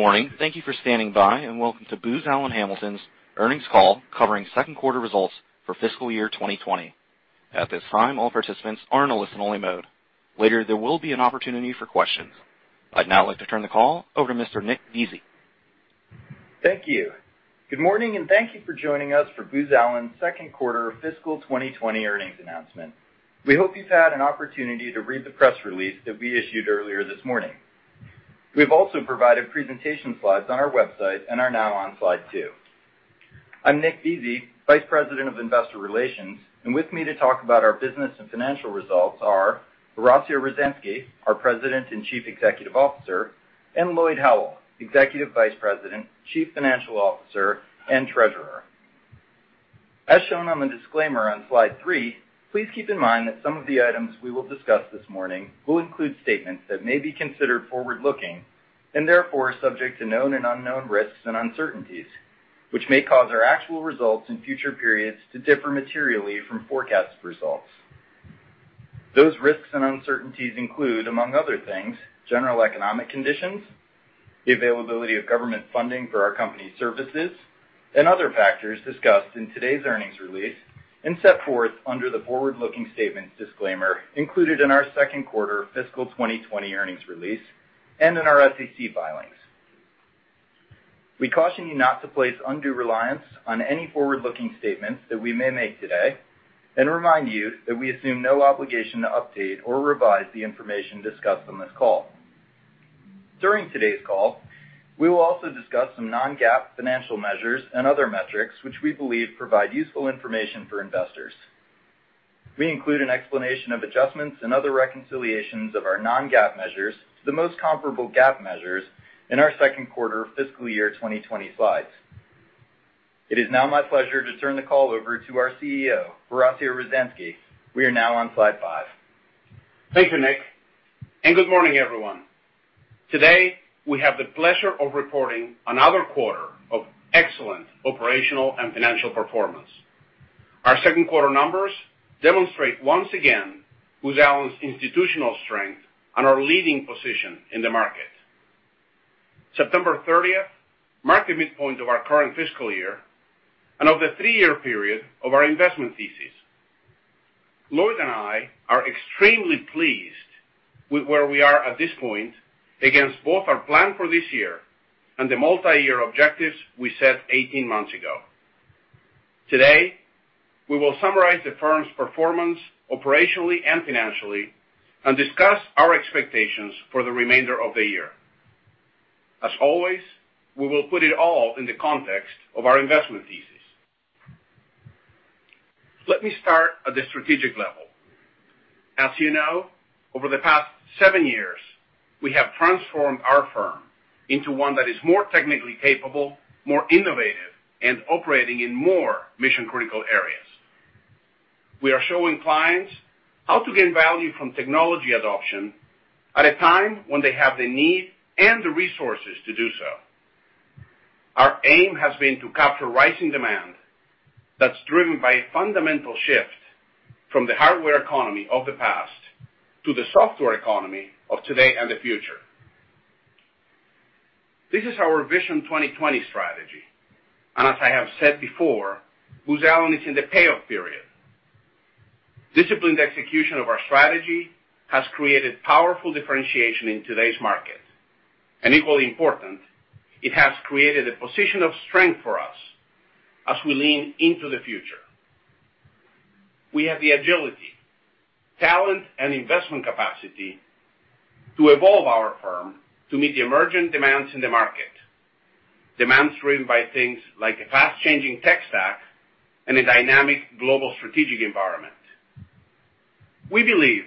Good morning. Thank you for standing by and welcome to Booz Allen Hamilton's earnings call covering Q2 results for fiscal year 2020. At this time, all participants are in a listen-only mode. Later, there will be an opportunity for questions. I'd now like to turn the call over to Mr. Nick Veasey. Thank you. Good morning and thank you for joining us for Booz Allen's Q2 fiscal 2020 earnings announcement. We hope you've had an opportunity to read the press release that we issued earlier this morning. We've also provided presentation slides on our website and are now on slide two. I'm Nick Veasey, Vice President of Investor Relations, and with me to talk about our business and financial results are Horacio Rozanski, our President and Chief Executive Officer, and Lloyd Howell, Executive Vice President, Chief Financial Officer, and Treasurer. As shown on the disclaimer on slide three, please keep in mind that some of the items we will discuss this morning will include statements that may be considered forward-looking and therefore subject to known and unknown risks and uncertainties, which may cause our actual results in future periods to differ materially from forecast results. Those risks and uncertainties include, among other things, general economic conditions, the availability of government funding for our company's services, and other factors discussed in today's earnings release and set forth under the forward-looking statements disclaimer included in our Q2 fiscal 2020 earnings release and in our SEC filings. We caution you not to place undue reliance on any forward-looking statements that we may make today and remind you that we assume no obligation to update or revise the information discussed on this call. During today's call, we will also discuss some non-GAAP financial measures and other metrics which we believe provide useful information for investors. We include an explanation of adjustments and other reconciliations of our non-GAAP measures to the most comparable GAAP measures in our Q2 fiscal year 2020 slides. It is now my pleasure to turn the call over to our CEO, Horacio Rozanski. We are now on slide five. Thank you, Nick, and good morning, everyone. Today, we have the pleasure of reporting another quarter of excellent operational and financial performance. Our Q2 numbers demonstrate once again Booz Allen's institutional strength and our leading position in the market. 30 September 2020 marks the midpoint of our current fiscal year and of the three-year period of our investment thesis. Lloyd and I are extremely pleased with where we are at this point against both our plan for this year and the multi-year objectives we set 18 months ago. Today, we will summarize the firm's performance operationally and financially and discuss our expectations for the remainder of the year. As always, we will put it all in the context of our investment thesis. Let me start at the strategic level. As you know, over the past seven years, we have transformed our firm into one that is more technically capable, more innovative, and operating in more mission-critical areas. We are showing clients how to gain value from technology adoption at a time when they have the need and the resources to do so. Our aim has been to capture rising demand that's driven by a fundamental shift from the hardware economy of the past to the software economy of today and the future. This is our Vision 2020 strategy, and as I have said before, Booz Allen is in the payoff period. Disciplined execution of our strategy has created powerful differentiation in today's market, and equally important, it has created a position of strength for us as we lean into the future. We have the agility, talent, and investment capacity to evolve our firm to meet the emerging demands in the market, demands driven by things like a fast-changing tech stack and a dynamic global strategic environment. We believe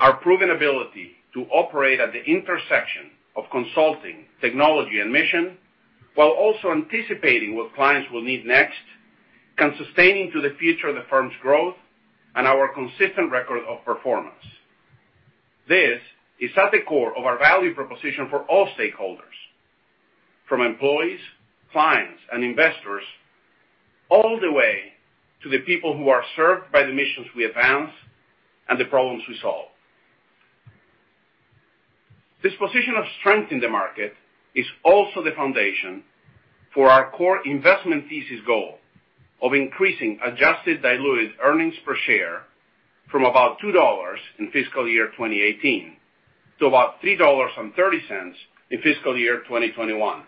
our proven ability to operate at the intersection of consulting, technology, and mission, while also anticipating what clients will need next, can sustain into the future the firm's growth and our consistent record of performance. This is at the core of our value proposition for all stakeholders, from employees, clients, and investors, all the way to the people who are served by the missions we advance and the problems we solve. This position of strength in the market is also the foundation for our core investment thesis goal of increasing adjusted diluted earnings per share from about $2 in fiscal year 2018 to about $3.30 in fiscal year 2021.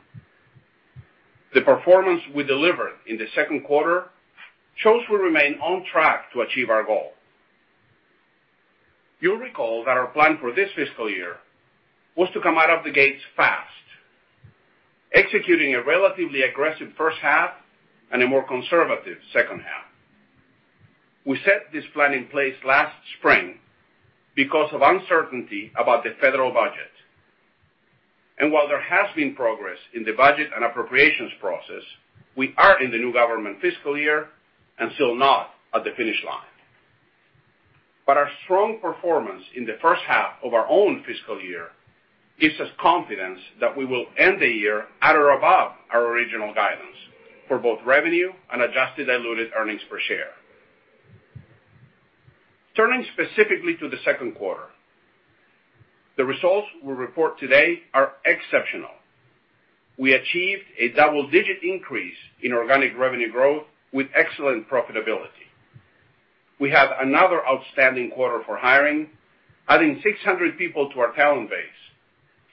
The performance we delivered in the Q2 shows we remain on track to achieve our goal. You'll recall that our plan for this fiscal year was to come out of the gates fast, executing a relatively aggressive first half and a more conservative second half. We set this plan in place last spring because of uncertainty about the federal budget. And while there has been progress in the budget and appropriations process, we are in the new government fiscal year and still not at the finish line. But our strong performance in the first half of our own fiscal year gives us confidence that we will end the year at or above our original guidance for both revenue and adjusted diluted earnings per share. Turning specifically to the Q2, the results we report today are exceptional. We achieved a double-digit increase in organic revenue growth with excellent profitability. We had another outstanding quarter for hiring, adding 600 people to our talent base,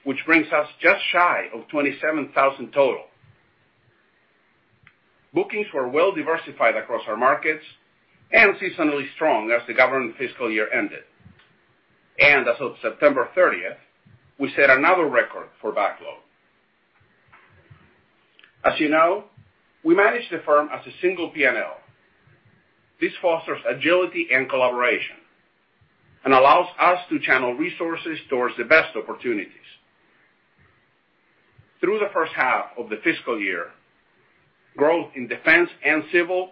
which brings us just shy of 27,000 total. Bookings were well-diversified across our markets and seasonally strong as the government fiscal year ended, and as of 30 September 2020, we set another record for backlog. As you know, we manage the firm as a single P&L. This fosters agility and collaboration and allows us to channel resources towards the best opportunities. Through the first half of the fiscal year, growth in Defense and Civil,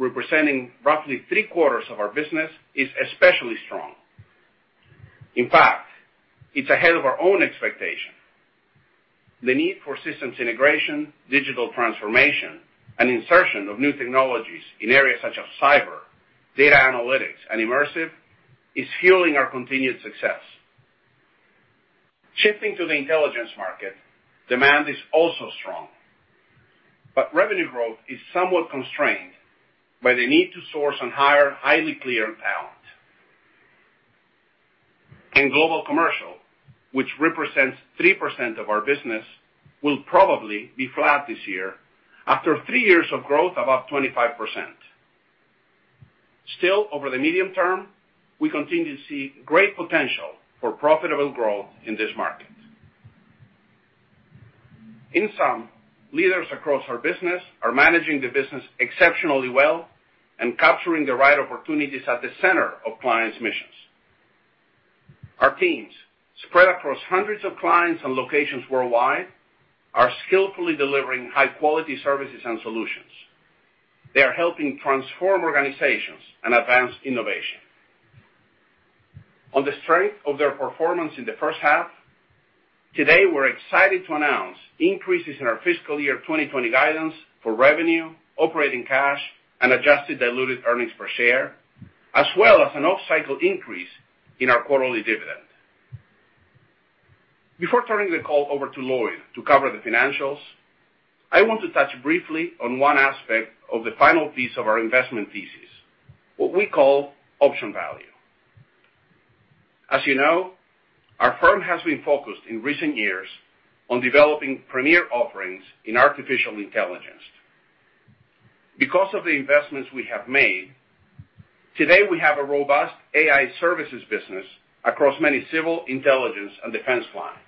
representing roughly three-quarters of our business, is especially strong. In fact, it's ahead of our own expectation. The need for systems integration, digital transformation, and insertion of new technologies in areas such as cyber, data analytics, and immersive is fueling our continued success. Shifting to the intelligence market, demand is also strong, but revenue growth is somewhat constrained by the need to source and hire highly cleared talent, and Global Commercial, which represents 3% of our business, will probably be flat this year after three years of growth of up to 25%. Still, over the medium term, we continue to see great potential for profitable growth in this market. In sum, leaders across our business are managing the business exceptionally well and capturing the right opportunities at the center of clients' missions. Our teams, spread across hundreds of clients and locations worldwide, are skillfully delivering high-quality services and solutions. They are helping transform organizations and advance innovation. On the strength of their performance in the first half, today, we're excited to announce increases in our fiscal year 2020 guidance for revenue, operating cash, and adjusted diluted earnings per share, as well as an off-cycle increase in our quarterly dividend. Before turning the call over to Lloyd to cover the financials, I want to touch briefly on one aspect of the final piece of our investment thesis, what we call Option Value. As you know, our firm has been focused in recent years on developing premier offerings in artificial intelligence. Because of the investments we have made, today, we have a robust AI services business across many civil, intelligence, and defense clients.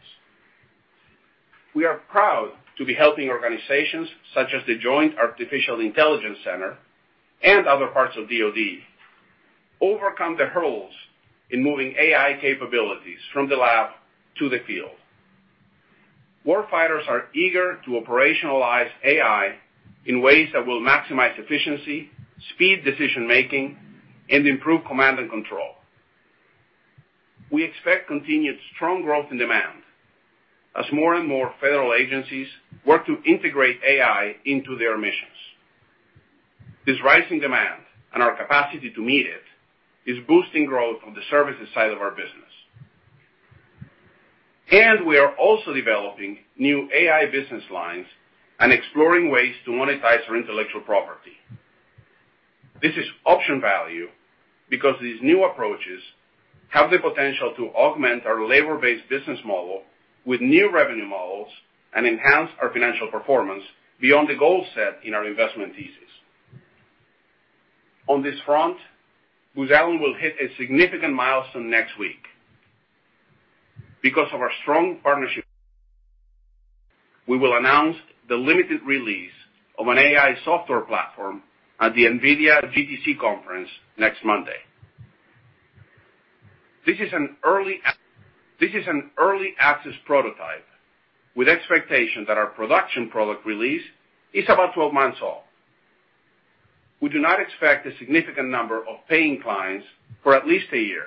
We are proud to be helping organizations such as the Joint Artificial Intelligence Center and other parts of DOD overcome the hurdles in moving AI capabilities from the lab to the field. Warfighters are eager to operationalize AI in ways that will maximize efficiency, speed decision-making, and improve command and control. We expect continued strong growth in demand as more and more federal agencies work to integrate AI into their missions. This rising demand and our capacity to meet it is boosting growth on the services side of our business. And we are also developing new AI business lines and exploring ways to monetize our intellectual property. This is Option Value because these new approaches have the potential to augment our labor-based business model with new revenue models and enhance our financial performance beyond the goals set in our investment thesis. On this front, Booz Allen will hit a significant milestone next week. Because of our strong partnership, we will announce the limited release of an AI software platform at the NVIDIA GTC conference next Monday. This is an early access prototype with expectation that our production product release is about 12 months old. We do not expect a significant number of paying clients for at least a year.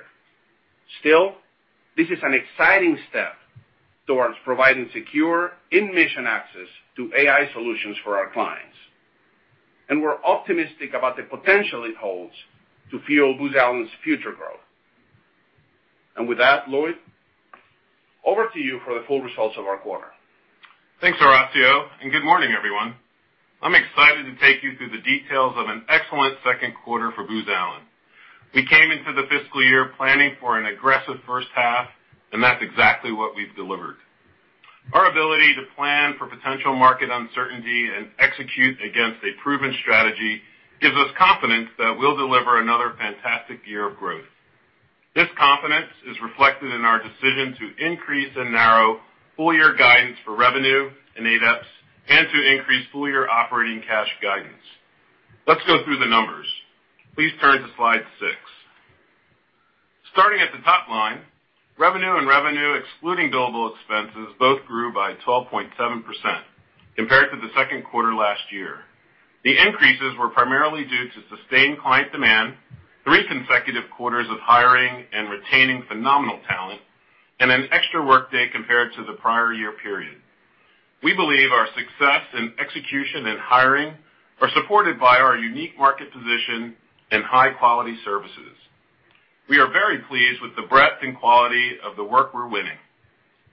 Still, this is an exciting step towards providing secure in-mission access to AI solutions for our clients. And we're optimistic about the potential it holds to fuel Booz Allen's future growth. And with that, Lloyd, over to you for the full results of our quarter. Thanks, Horacio, and good morning, everyone. I'm excited to take you through the details of an excellent Q2 for Booz Allen. We came into the fiscal year planning for an aggressive first half, and that's exactly what we've delivered. Our ability to plan for potential market uncertainty and execute against a proven strategy gives us confidence that we'll deliver another fantastic year of growth. This confidence is reflected in our decision to increase and narrow full-year guidance for revenue and ADEPS and to increase full-year operating cash guidance. Let's go through the numbers. Please turn to slide six. Starting at the top line, revenue and revenue excluding billable expenses both grew by 12.7% compared to the Q2 last year. The increases were primarily due to sustained client demand, three consecutive quarters of hiring and retaining phenomenal talent, and an extra workday compared to the prior year period. We believe our success in execution and hiring are supported by our unique market position and high-quality services. We are very pleased with the breadth and quality of the work we're winning.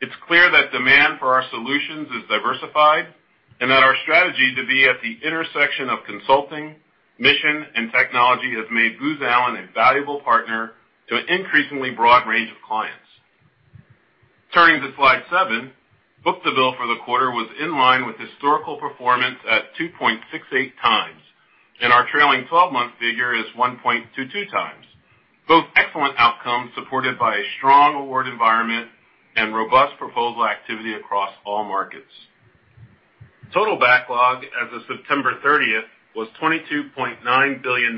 It's clear that demand for our solutions is diversified and that our strategy to be at the intersection of consulting, mission, and technology has made Booz Allen a valuable partner to an increasingly broad range of clients. Turning to slide 7, book-to-bill for the quarter was in line with historical performance at 2.68 times, and our trailing 12-month figure is 1.22 times. Both excellent outcomes supported by a strong award environment and robust proposal activity across all markets. Total backlog as of 30 September 2020 was $22.9 billion, 7.2%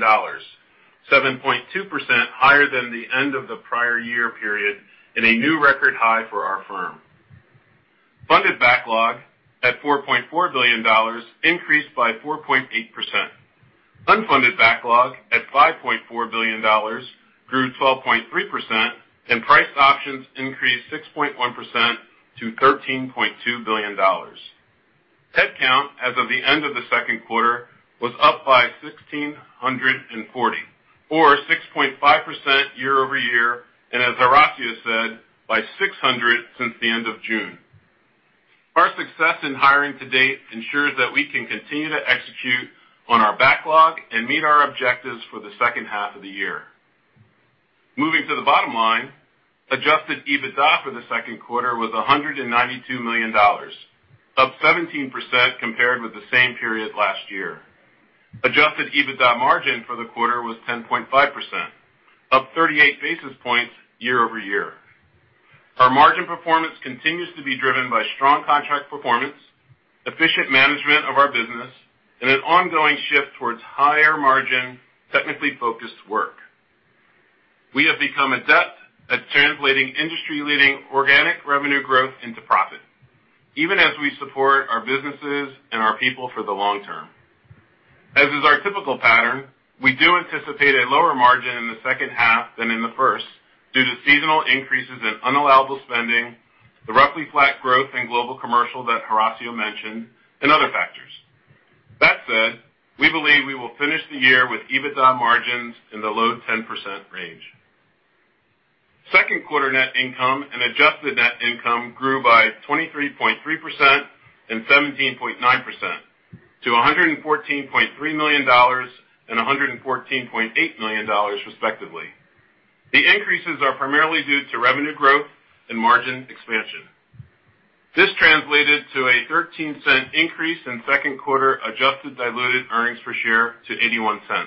higher than the end of the prior year period and a new record high for our firm. Funded backlog at $4.4 billion increased by 4.8%. Unfunded backlog at $5.4 billion grew 12.3%, and priced options increased 6.1% to $13.2 billion. Headcount as of the end of the Q2 was up by 1,640, or 6.5% year over year, and as Horacio said, by 600 since the end of June. Our success in hiring to date ensures that we can continue to execute on our backlog and meet our objectives for the second half of the year. Moving to the bottom line, adjusted EBITDA for the Q2 was $192 million, up 17% compared with the same period last year. Adjusted EBITDA margin for the quarter was 10.5%, up 38 basis points year over year. Our margin performance continues to be driven by strong contract performance, efficient management of our business, and an ongoing shift towards higher margin, technically focused work. We have become adept at translating industry-leading organic revenue growth into profit, even as we support our businesses and our people for the long term. As is our typical pattern, we do anticipate a lower margin in the second half than in the first due to seasonal increases in unallowable spending, the roughly flat growth in Global Commercial that Horacio mentioned, and other factors. That said, we believe we will finish the year with EBITDA margins in the low 10% range. Q2 net income and adjusted net income grew by 23.3% and 17.9% to $114.3 million and $114.8 million, respectively. The increases are primarily due to revenue growth and margin expansion. This translated to a $0.13 increase in Q2 adjusted diluted earnings per share to $0.81.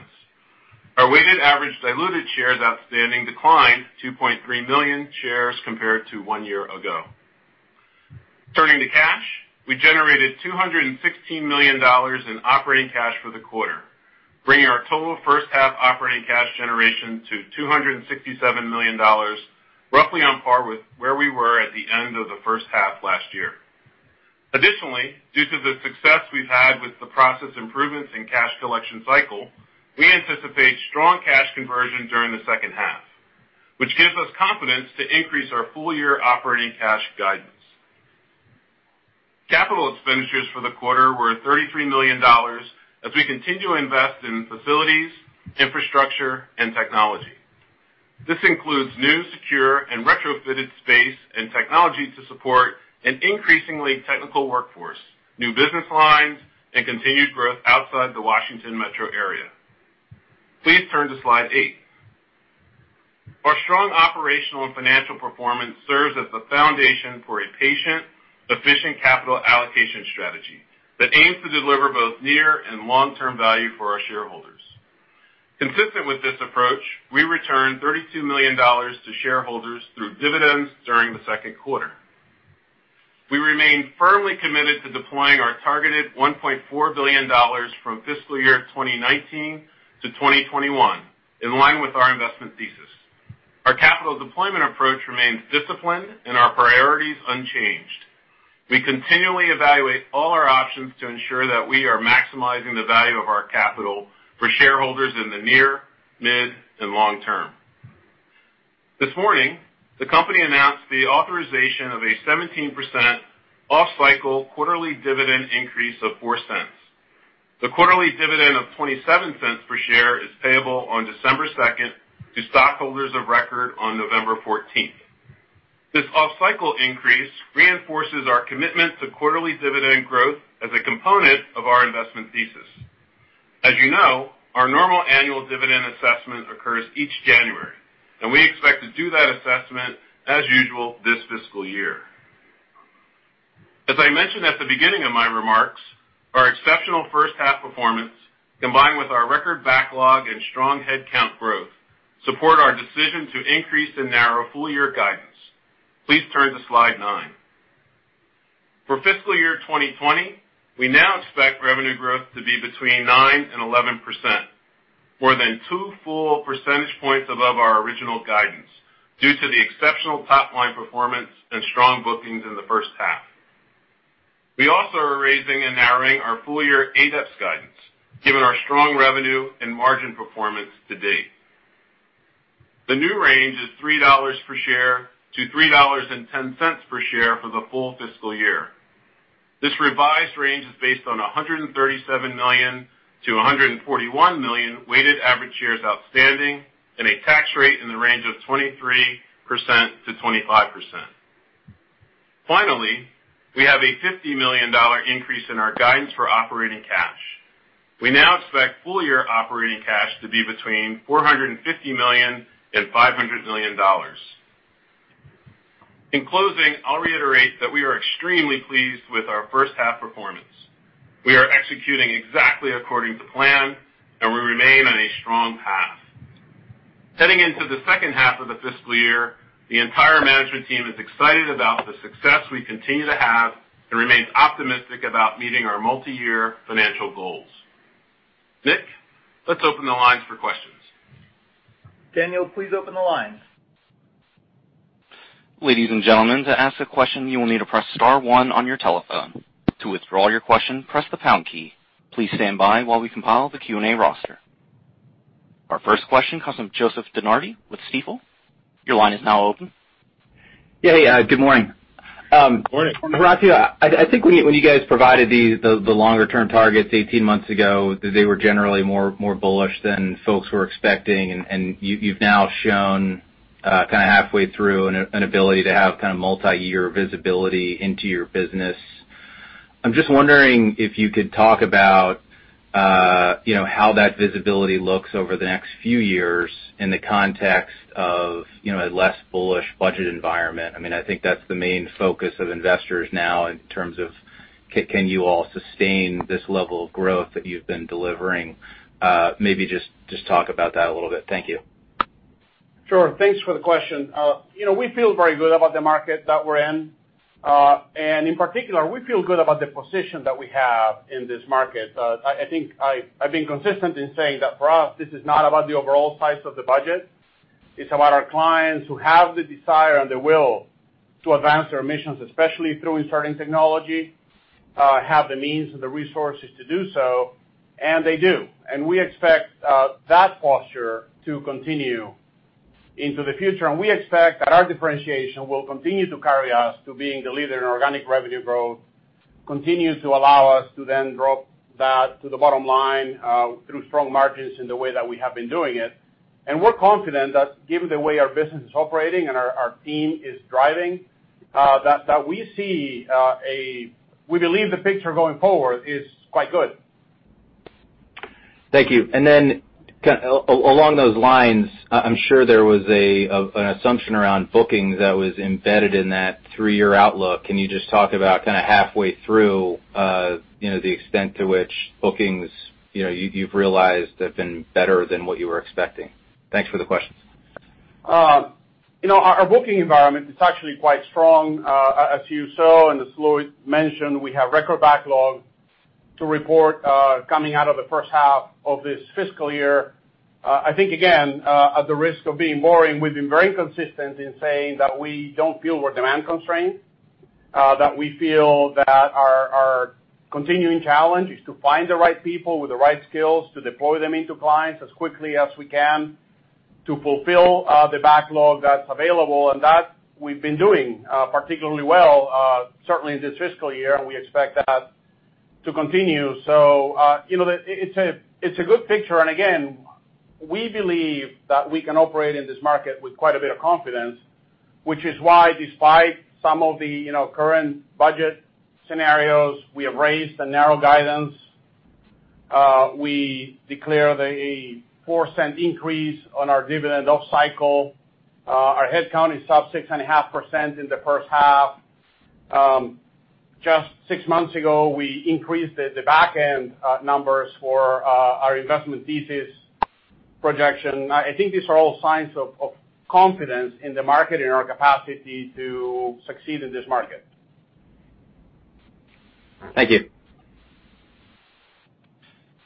Our weighted average diluted shares outstanding declined $2.3 million shares compared to one year ago. Turning to cash, we generated $216 million in operating cash for the quarter, bringing our total first half operating cash generation to $267 million, roughly on par with where we were at the end of the first half last year. Additionally, due to the success we've had with the process improvements in cash collection cycle, we anticipate strong cash conversion during the second half, which gives us confidence to increase our full-year operating cash guidance. Capital expenditures for the quarter were $33 million as we continue to invest in facilities, infrastructure, and technology. This includes new, secure, and retrofitted space and technology to support an increasingly technical workforce, new business lines, and continued growth outside the Washington metro area. Please turn to slide eight. Our strong operational and financial performance serves as the foundation for a patient, efficient capital allocation strategy that aims to deliver both near and long-term value for our shareholders. Consistent with this approach, we returned $32 million to shareholders through dividends during the Q2. We remain firmly committed to deploying our targeted $1.4 billion from fiscal year 2019 to 2021 in line with our investment thesis. Our capital deployment approach remains disciplined and our priorities unchanged. We continually evaluate all our options to ensure that we are maximizing the value of our capital for shareholders in the near, mid, and long term. This morning, the company announced the authorization of a 17% off-cycle quarterly dividend increase of $0.04. The quarterly dividend of $0.27 per share is payable on 2 December 2020 to stockholders of record on 14 November 2020. This off-cycle increase reinforces our commitment to quarterly dividend growth as a component of our investment thesis. As you know, our normal annual dividend assessment occurs each January, and we expect to do that assessment as usual this fiscal year. As I mentioned at the beginning of my remarks, our exceptional first half performance, combined with our record backlog and strong headcount growth, support our decision to increase and narrow full-year guidance. Please turn to slide nine. For fiscal year 2020, we now expect revenue growth to be 9% to 11%, more than two full percentage points above our original guidance due to the exceptional top-line performance and strong bookings in the first half. We also are raising and narrowing our full-year ADEPS guidance, given our strong revenue and margin performance to date. The new range is $3-$3.10 per share for the full fiscal year. This revised range is based on $137 to 141 million weighted average shares outstanding and a tax rate in the range of 23% to 25%. Finally, we have a $50 million increase in our guidance for operating cash. We now expect full-year operating cash to be between $450 million and $500 million. In closing, I'll reiterate that we are extremely pleased with our first half performance. We are executing exactly according to plan, and we remain on a strong path. Heading into the second half of the fiscal year, the entire management team is excited about the success we continue to have and remains optimistic about meeting our multi-year financial goals. Nick, let's open the lines for questions. Daniel, please open the lines. Ladies and gentlemen, to ask a question, you will need to press star one on your telephone. To withdraw your question, press the pound key. Please stand by while we compile the Q&A roster. Our first question comes from Joseph DeNardi with Stifel. Your line is now open. Yeah, good morning. Morning. Horacio, I think when you guys provided the longer-term targets 18 months ago, they were generally more bullish than folks were expecting, and you've now shown kind of halfway through an ability to have kind of multi-year visibility into your business. I'm just wondering if you could talk about how that visibility looks over the next few years in the context of a less bullish budget environment. I mean, I think that's the main focus of investors now in terms of, can you all sustain this level of growth that you've been delivering? Maybe just talk about that a little bit. Thank you. Sure. Thanks for the question. We feel very good about the market that we're in. And in particular, we feel good about the position that we have in this market. I think I've been consistent in saying that for us, this is not about the overall size of the budget. It's about our clients who have the desire and the will to advance their missions, especially through inserting technology, have the means and the resources to do so, and they do. And we expect that posture to continue into the future. And we expect that our differentiation will continue to carry us to being the leader in organic revenue growth, continue to allow us to then drop that to the bottom line through strong margins in the way that we have been doing it. We're confident that given the way our business is operating and our team is driving, that we see, we believe the picture going forward is quite good. Thank you. And then along those lines, I'm sure there was an assumption around bookings that was embedded in that three-year outlook. Can you just talk about kind of halfway through the extent to which bookings you've realized have been better than what you were expecting? Thanks for the questions. Our booking environment is actually quite strong, as you saw and as Lloyd mentioned. We have record backlog to report coming out of the first half of this fiscal year. I think, again, at the risk of being boring, we've been very consistent in saying that we don't feel we're demand constrained, that we feel that our continuing challenge is to find the right people with the right skills to deploy them into clients as quickly as we can to fulfill the backlog that's available. And that we've been doing particularly well, certainly in this fiscal year, and we expect that to continue, so it's a good picture. And again, we believe that we can operate in this market with quite a bit of confidence, which is why, despite some of the current budget scenarios, we have raised and narrowed guidance. We declare a $0.04 increase on our dividend off-cycle. Our headcount is up 6.5% in the first half. Just six months ago, we increased the backend numbers for our investment thesis projection. I think these are all signs of confidence in the market and our capacity to succeed in this market. Thank you.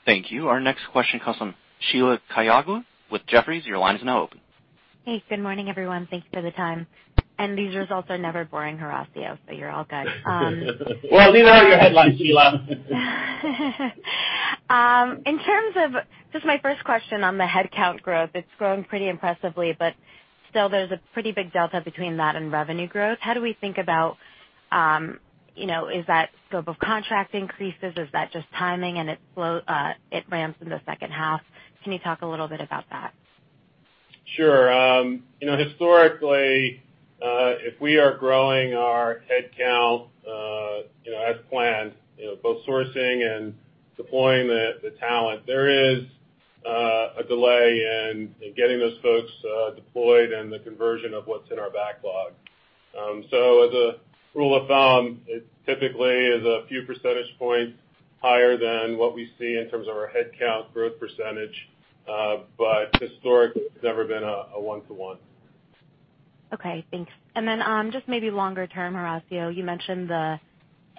Thank you. Our next question comes from Sheila Kahyaoglu with Jefferies. Your line is now open. Hey, good morning, everyone. Thank you for the time. These results are never boring, Horacio, so you're all good. These are your headlines, Sheila. In terms of just my first question on the headcount growth, it's growing pretty impressively, but still there's a pretty big delta between that and revenue growth. How do we think about is that scope of contract increases? Is that just timing and it ramps in the second half? Can you talk a little bit about that? Sure. Historically, if we are growing our headcount as planned, both sourcing and deploying the talent, there is a delay in getting those folks deployed and the conversion of what's in our backlog. So as a rule of thumb, it typically is a few percentage points higher than what we see in terms of our headcount growth percentage, but historically, it's never been a one-to-one. Okay. Thanks. And then just maybe longer-term, Horacio, you mentioned the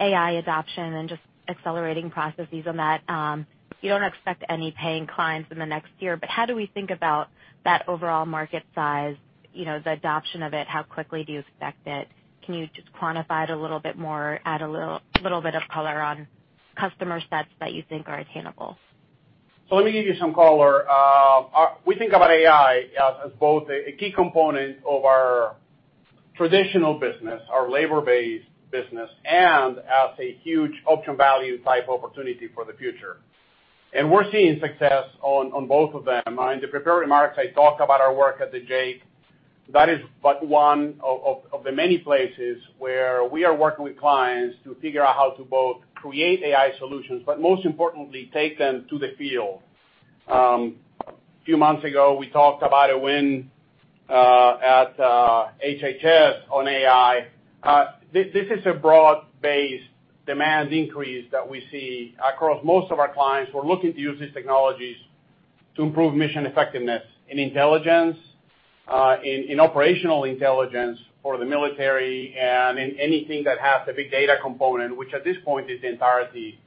AI adoption and just accelerating processes on that. You don't expect any paying clients in the next year, but how do we think about that overall market size, the adoption of it? How quickly do you expect it? Can you just quantify it a little bit more, add a little bit of color on customer sets that you think are attainable? So let me give you some color. We think about AI as both a key component of our traditional business, our labor-based business, and as a huge Option Value type opportunity for the future. And we're seeing success on both of them. In the prepared remarks, I talked about our work at the JAIC. That is but one of the many places where we are working with clients to figure out how to both create AI solutions, but most importantly, take them to the field. A few months ago, we talked about a win at HHS on AI. This is a broad-based demand increase that we see across most of our clients. We're looking to use these technologies to improve mission effectiveness in intelligence, in operational intelligence for the military, and in anything that has a big data component, which at this point is the entirety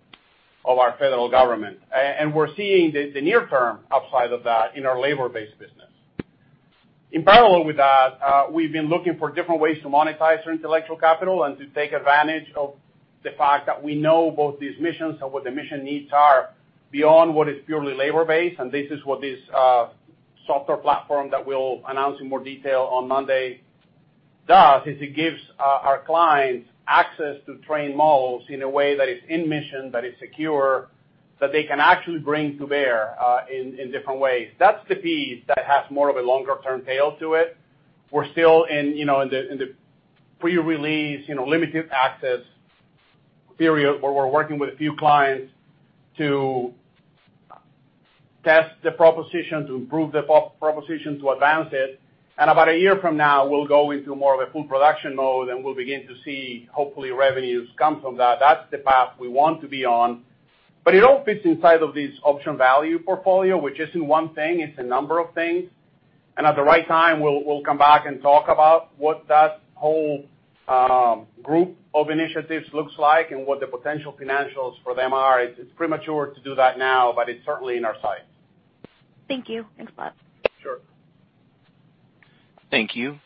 of our federal government. We're seeing the near-term upside of that in our labor-based business. In parallel with that, we've been looking for different ways to monetize our intellectual capital and to take advantage of the fact that we know both these missions and what the mission needs are beyond what is purely labor-based. This is what this software platform that we'll announce in more detail on Monday does, is it gives our clients access to train models in a way that is in mission, that is secure, that they can actually bring to bear in different ways. That's the piece that has more of a longer-term tail to it. We're still in the pre-release limited access period where we're working with a few clients to test the proposition, to improve the proposition, to advance it. And about a year from now, we'll go into more of a full production mode, and we'll begin to see, hopefully, revenues come from that. That's the path we want to be on. But it all fits inside of this Option Value portfolio, which isn't one thing. It's a number of things. And at the right time, we'll come back and talk about what that whole group of initiatives looks like and what the potential financials for them are. It's premature to do that now, but it's certainly in our sights. Thank you. Thanks a lot. Sure. Thank you.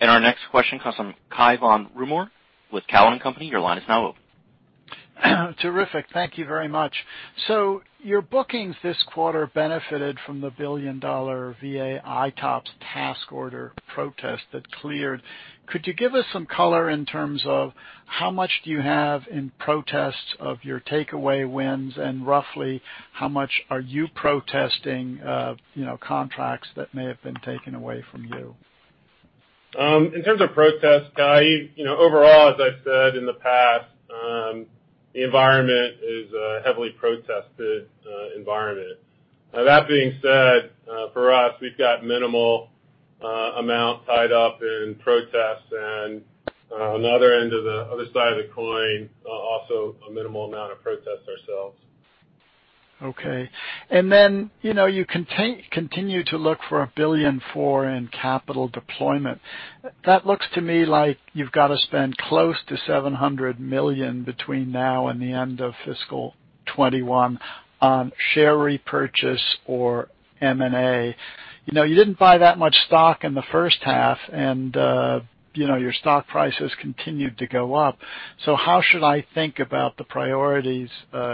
And our next question comes from Cai von Rumohr with Cowen and Company. Your line is now open. Terrific. Thank you very much. So your bookings this quarter benefited from the billion-dollar VA ITOPS task order protest that cleared. Could you give us some color in terms of how much do you have in protests of your takeaway wins, and roughly how much are you protesting contracts that may have been taken away from you? In terms of protests, overall, as I've said in the past, the environment is a heavily protested environment. That being said, for us, we've got a minimal amount tied up in protests. And on the other end of the other side of the coin, also a minimal amount of protests ourselves. Okay. And then you continue to look for $1.4 billion in capital deployment. That looks to me like you've got to spend close to $700 million between now and the end of fiscal 2021 on share repurchase or M&A. You didn't buy that much stock in the first half, and your stock prices continued to go up. So how should I think about the priorities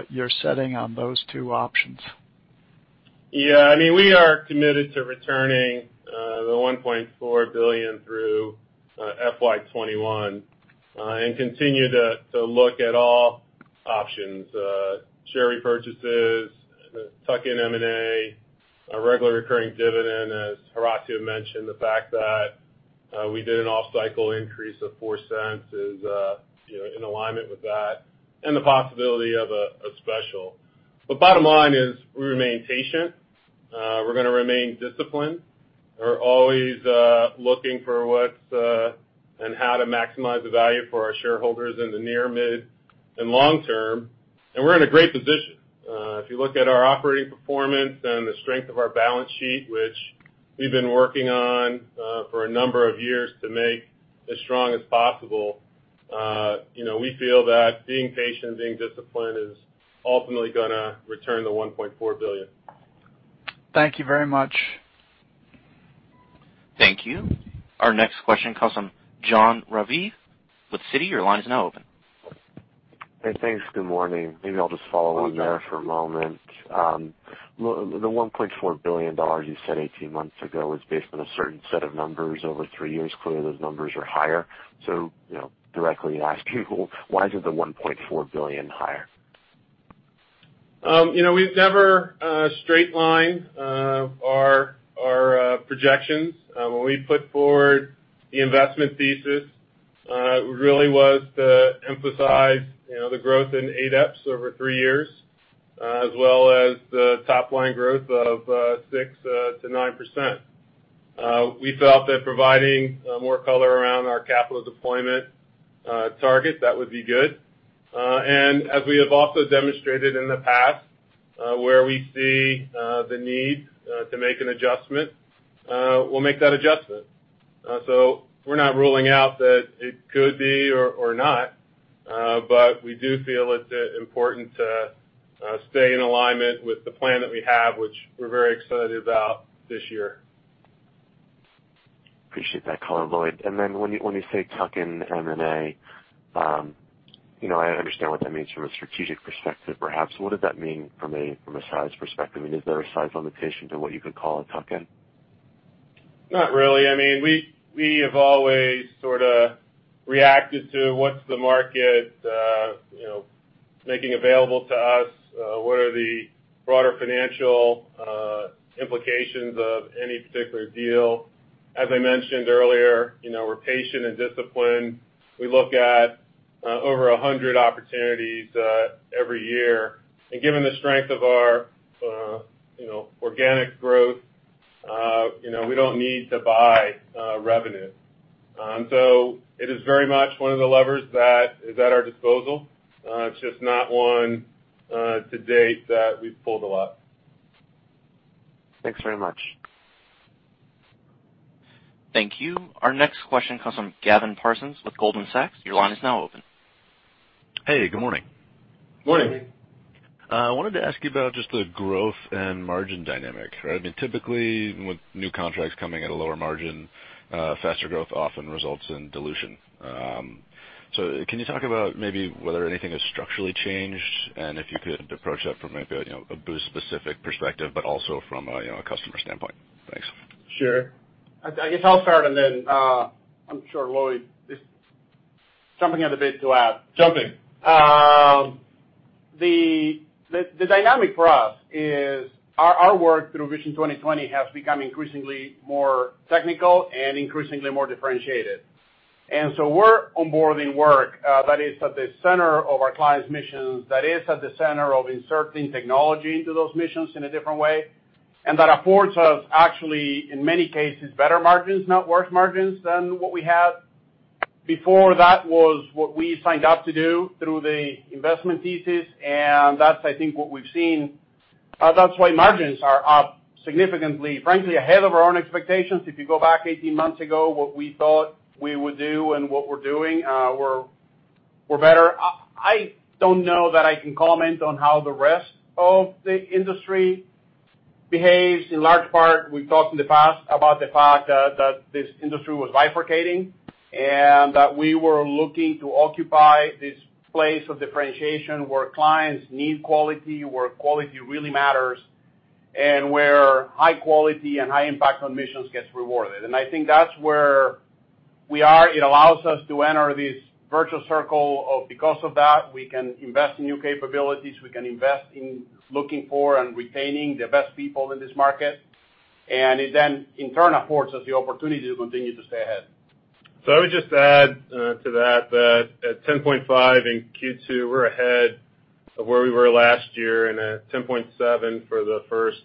you're setting on those two options? Yeah. I mean, we are committed to returning the $1.4 billion through FY 2021 and continue to look at all options: share repurchases, tuck-in M&A, regular recurring dividend, as Horacio mentioned, the fact that we did an off-cycle increase of $0.04 is in alignment with that, and the possibility of a special, but bottom line, we remain patient. We're going to remain disciplined. We're always looking for what's and how to maximize the value for our shareholders in the near, mid, and long term, and we're in a great position. If you look at our operating performance and the strength of our balance sheet, which we've been working on for a number of years to make as strong as possible, we feel that being patient and being disciplined is ultimately going to return the $1.4 billion. Thank you very much. Thank you. Our next question comes from Jon Raviv with Citi. Your line is now open. Hey, thanks. Good morning. Maybe I'll just follow on there for a moment. The $1.4 billion you said 18 months ago was based on a certain set of numbers over three years. Clearly, those numbers are higher. So directly asking, why is it the $1.4 billion higher? We've never straight-lined our projections. When we put forward the investment thesis, it really was to emphasize the growth in ADEPS over three years, as well as the top-line growth of 6% to 9%. We felt that providing more color around our capital deployment target, that would be good. And as we have also demonstrated in the past, where we see the need to make an adjustment, we'll make that adjustment. So we're not ruling out that it could be or not, but we do feel it's important to stay in alignment with the plan that we have, which we're very excited about this year. Appreciate that color, Lloyd. And then when you say tuck-in M&A, I understand what that means from a strategic perspective, perhaps. What does that mean from a size perspective? I mean, is there a size limitation to what you could call a tuck-in? Not really. I mean, we have always sort of reacted to what's the market making available to us, what are the broader financial implications of any particular deal. As I mentioned earlier, we're patient and disciplined. We look at over 100 opportunities every year. And given the strength of our organic growth, we don't need to buy revenue. And so it is very much one of the levers that is at our disposal. It's just not one to date that we've pulled a lot. Thanks very much. Thank you. Our next question comes from Gavin Parsons with Goldman Sachs. Your line is now open. Hey, good morning. Good morning. I wanted to ask you about just the growth and margin dynamic. I mean, typically, with new contracts coming at a lower margin, faster growth often results in dilution. So can you talk about maybe whether anything has structurally changed and if you could approach that from maybe a Booz-specific perspective, but also from a customer standpoint? Thanks. Sure. I can tell start, and then I'm sure Lloyd is jumping at the bit to add. Sure thing. The dynamic for us is our work through Vision 2020 has become increasingly more technical and increasingly more differentiated, and so we're onboarding work that is at the center of our clients' missions, that is at the center of inserting technology into those missions in a different way, and that affords us, actually, in many cases, better margins, not worse margins than what we had before. That was what we signed up to do through the investment thesis, and that's, I think, what we've seen. That's why margins are up significantly, frankly, ahead of our own expectations. If you go back 18 months ago, what we thought we would do and what we're doing, we're better. I don't know that I can comment on how the rest of the industry behaves. In large part, we've talked in the past about the fact that this industry was bifurcating and that we were looking to occupy this place of differentiation where clients need quality, where quality really matters, and where high quality and high impact on missions gets rewarded, and I think that's where we are. It allows us to enter this virtuous circle of, because of that, we can invest in new capabilities. We can invest in looking for and retaining the best people in this market. And it then, in turn, affords us the opportunity to continue to stay ahead, so I would just add to that that at 10.5 in Q2, we're ahead of where we were last year and at 10.7 for the first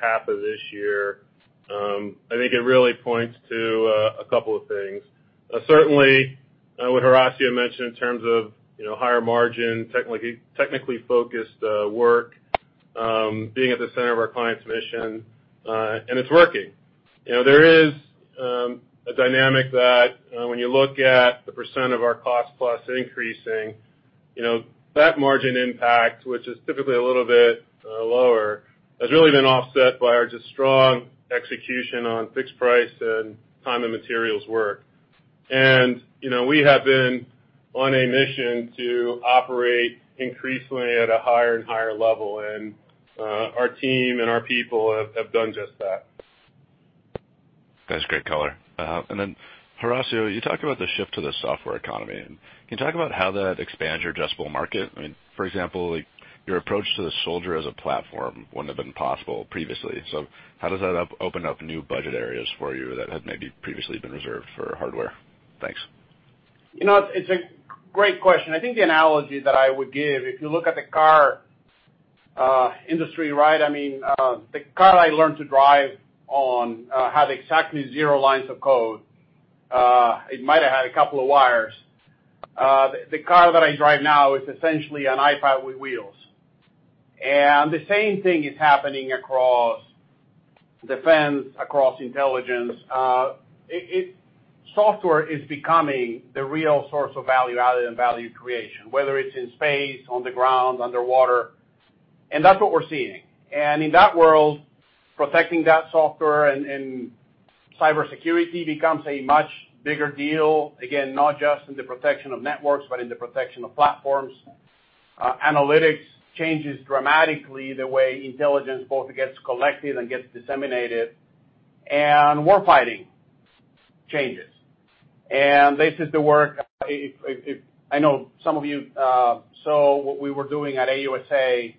half of this year. I think it really points to a couple of things. Certainly, what Horacio mentioned in terms of higher margin, technically focused work, being at the center of our clients' mission, and it's working. There is a dynamic that when you look at the percent of our cost-plus increasing, that margin impact, which is typically a little bit lower, has really been offset by our just strong execution on fixed-price and time and materials work. And we have been on a mission to operate increasingly at a higher and higher level. And our team and our people have done just that. That's great color. And then Horacio, you talked about the shift to the software economy. Can you talk about how that expands your addressable market? I mean, for example, your approach to the soldier as a platform wouldn't have been possible previously. So how does that open up new budget areas for you that had maybe previously been reserved for hardware? Thanks. It's a great question. I think the analogy that I would give, if you look at the car industry, right, I mean, the car I learned to drive on had exactly zero lines of code. It might have had a couple of wires. The car that I drive now is essentially an iPad with wheels. And the same thing is happening across defense, across intelligence. Software is becoming the real source of value added and value creation, whether it's in space, on the ground, underwater. And that's what we're seeing. And in that world, protecting that software and cybersecurity becomes a much bigger deal. Again, not just in the protection of networks, but in the protection of platforms. Analytics changes dramatically the way intelligence both gets collected and gets disseminated. And warfighting changes. And this is the work I know some of you saw what we were doing at AUSA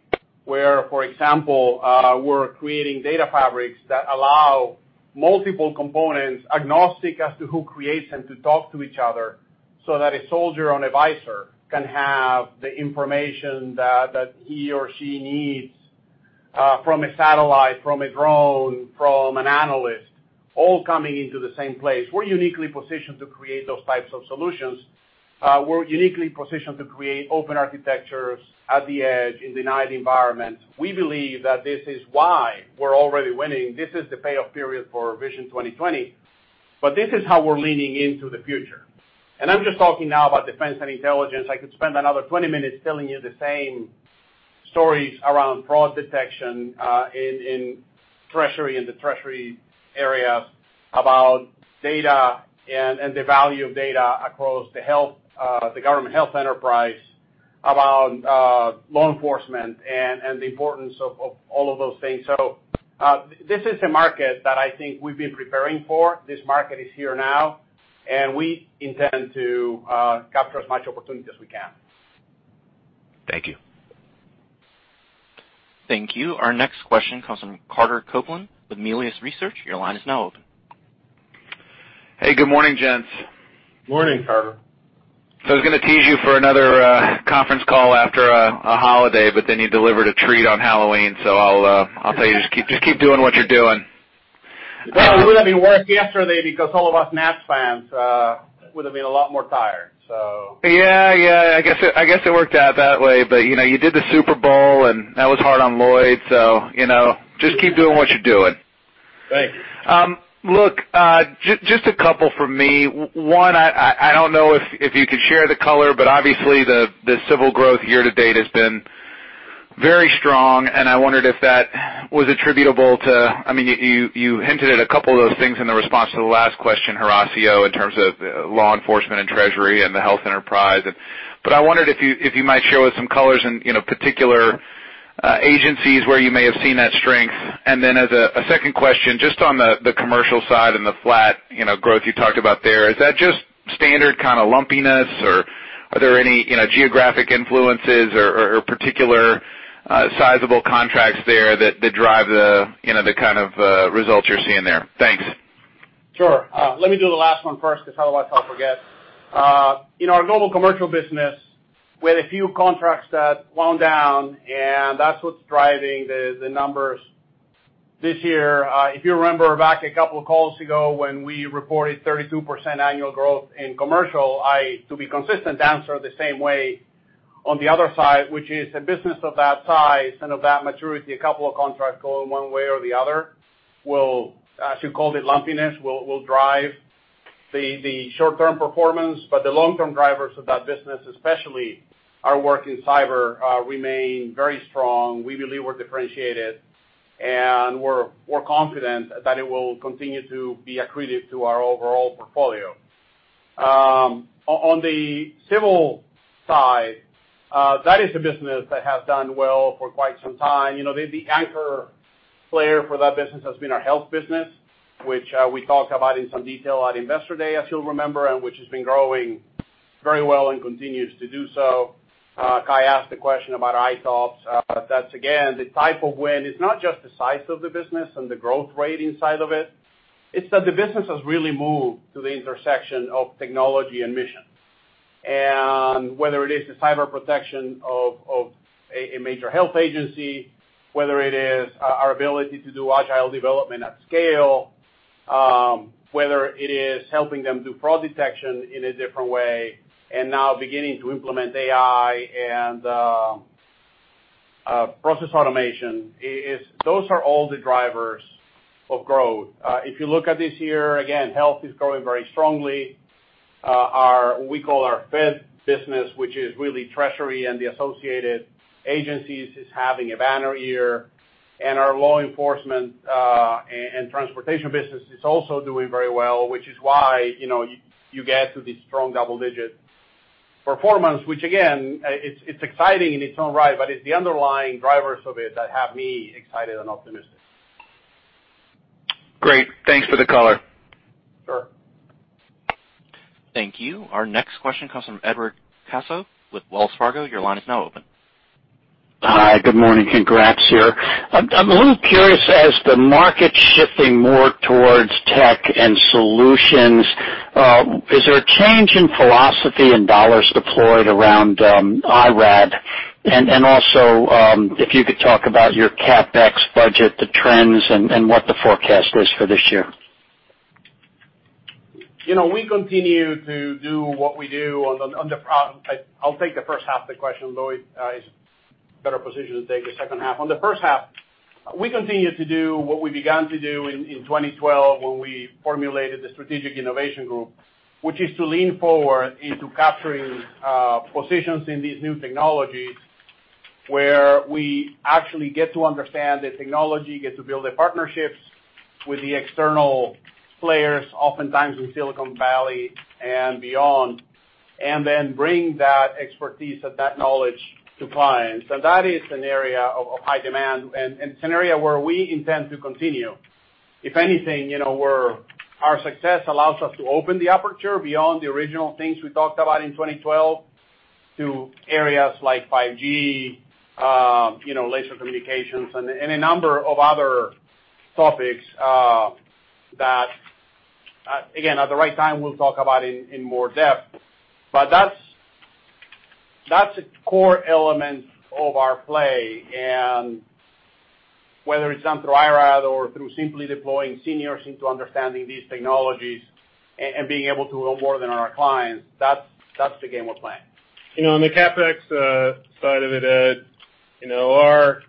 where, for example, we're creating data fabrics that allow multiple components agnostic as to who creates them to talk to each other so that a soldier on a visor can have the information that he or she needs from a satellite, from a drone, from an analyst, all coming into the same place. We're uniquely positioned to create those types of solutions. We're uniquely positioned to create open architectures at the edge in denied environment. We believe that this is why we're already winning. This is the payoff period for Vision 2020. But this is how we're leaning into the future. And I'm just talking now about defense and intelligence. I could spend another 20 minutes telling you the same stories around fraud detection in Treasury and the Treasury area about data and the value of data across the government health enterprise, about law enforcement, and the importance of all of those things. So this is a market that I think we've been preparing for. This market is here now. And we intend to capture as much opportunity as we can. Thank you. Thank you. Our next question comes from Carter Copeland with Melius Research. Your line is now open. Hey, good morning, gents. Morning, Carter. So, I was going to tease you for another conference call after a holiday, but then you delivered a treat on Halloween. So, I'll tell you, just keep doing what you're doing. That would have been worse yesterday because all of us nat fans would have been a lot more tired, so. Yeah, yeah. I guess it worked out that way. But you did the Super Bowl, and that was hard on Lloyd. So just keep doing what you're doing. Thanks. Look, just a couple from me. One, I don't know if you could share the color, but obviously, the civil growth year-to-date has been very strong. And I wondered if that was attributable to, I mean, you hinted at a couple of those things in the response to the last question, Horacio, in terms of law enforcement and Treasury and the health enterprise. But I wondered if you might show us some colors in particular agencies where you may have seen that strength. And then as a second question, just on the commercial side and the flat growth you talked about there, is that just standard kind of lumpiness, or are there any geographic influences or particular sizable contracts there that drive the kind of results you're seeing there? Thanks. Sure. Let me do the last one first because otherwise I'll forget. Our Global Commercial business, we had a few contracts that wound down, and that's what's driving the numbers this year. If you remember back a couple of calls ago when we reported 32% annual growth in commercial, I, to be consistent, answered the same way on the other side, which is a business of that size and of that maturity, a couple of contracts going one way or the other, as you called it, lumpiness will drive the short-term performance, but the long-term drivers of that business, especially our work in cyber, remain very strong. We believe we're differentiated, and we're confident that it will continue to be accreted to our overall portfolio. On the civil side, that is a business that has done well for quite some time. The anchor player for that business has been our health business, which we talked about in some detail at Investor Day, as you'll remember, and which has been growing very well and continues to do so. Kai asked the question about ITOPS. That's, again, the type of win. It's not just the size of the business and the growth rate inside of it. It's that the business has really moved to the intersection of technology and mission. And whether it is the cyber protection of a major health agency, whether it is our ability to do agile development at scale, whether it is helping them do fraud detection in a different way, and now beginning to implement AI and process automation, those are all the drivers of growth. If you look at this year, again, health is growing very strongly. We call our Fed business, which is really Treasury and the associated agencies, is having a banner year. Our law enforcement and transportation business is also doing very well, which is why you get to this strong double-digit performance, which, again, it's exciting in its own right, but it's the underlying drivers of it that have me excited and optimistic. Great. Thanks for the color. Sure. Thank you. Our next question comes from Edward Caso with Wells Fargo. Your line is now open. Hi. Good morning. Congrats here. I'm a little curious, as the market's shifting more towards tech and solutions, is there a change in philosophy and dollars deployed around IRAD? And also, if you could talk about your CapEx budget, the trends, and what the forecast is for this year. We continue to do what we do. I'll take the first half of the question. Lloyd is in a better position to take the second half. On the first half, we continue to do what we began to do in 2012 when we formulated the strategic innovation group, which is to lean forward into capturing positions in these new technologies where we actually get to understand the technology, get to build the partnerships with the external players, oftentimes in Silicon Valley and beyond, and then bring that expertise and that knowledge to clients, and that is an area of high demand and an area where we intend to continue. If anything, our success allows us to open the aperture beyond the original things we talked about in 2012 to areas like 5G, laser communications, and a number of other topics that, again, at the right time, we'll talk about in more depth. But that's a core element of our play. And whether it's done through IRAD or through simply deploying seniors into understanding these technologies and being able to onboard them on our clients, that's the game we're playing. On the CapEx side of it, our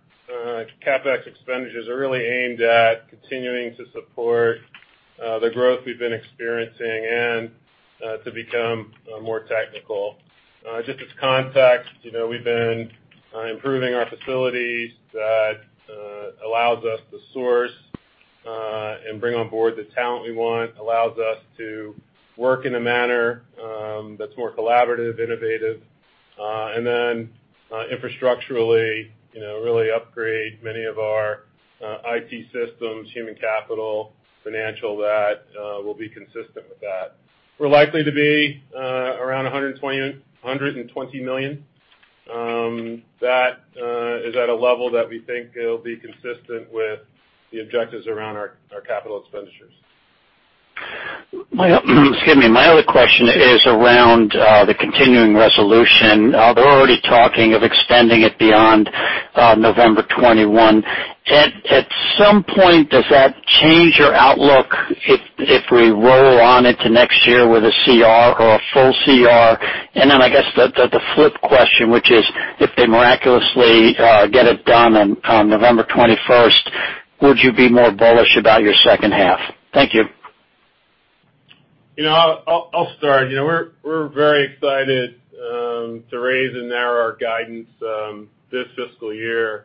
CapEx expenditures are really aimed at continuing to support the growth we've been experiencing and to become more technical. Just as context, we've been improving our facilities that allows us to source and bring on board the talent we want, allows us to work in a manner that's more collaborative, innovative, and then infrastructurally really upgrade many of our IT systems, human capital, financial that will be consistent with that. We're likely to be around $120 million. That is at a level that we think will be consistent with the objectives around our capital expenditures. Excuse me. My other question is around the continuing resolution. They're already talking of extending it beyond 21 November 2020. At some point, does that change your outlook if we roll on into next year with a CR or a full CR? And then I guess the flip question, which is, if they miraculously get it done on 21 November 2020, would you be more bullish about your second half? Thank you. I'll start. We're very excited to raise and narrow our guidance this fiscal year,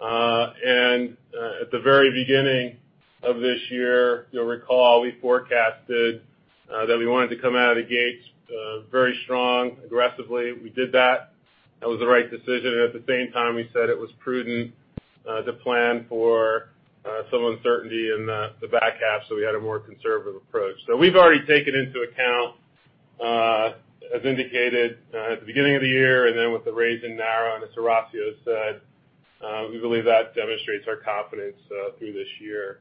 and at the very beginning of this year, you'll recall we forecasted that we wanted to come out of the gates very strong, aggressively. We did that. That was the right decision, and at the same time, we said it was prudent to plan for some uncertainty in the back half, so we had a more conservative approach, so we've already taken into account, as indicated at the beginning of the year and then with the raise and narrow. And as Horacio said, we believe that demonstrates our confidence through this year.